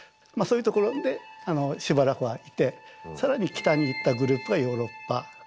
そういう所でしばらくはいてさらに北に行ったグループがヨーロッパ。